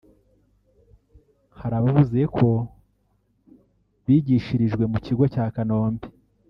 Hari abavuze ko bigishirijwe mu kigo cya Kanombe